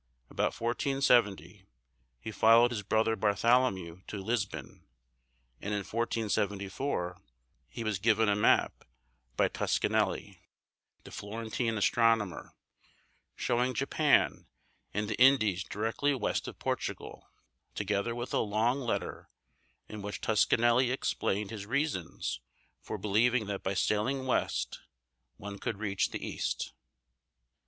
About 1470 he followed his brother Bartholomew to Lisbon, and in 1474 he was given a map by Toscanelli, the Florentine astronomer, showing Japan and the Indies directly west of Portugal, together with a long letter in which Toscanelli explained his reasons for believing that by sailing west one could reach the East.